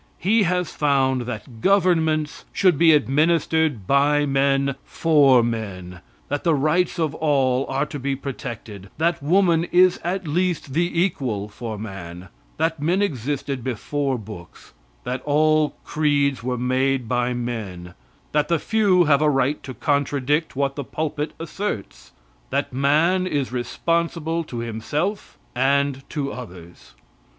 He has found that governments should be administered by men for men; that the rights of all are to be protected; that woman is at least the equal for man; that men existed before books; that all creeds were made by men; that the few have a right to contradict what the pulpit asserts; that man is responsible to himself and to others.